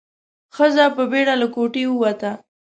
ښځه په بيړه له کوټې ووته.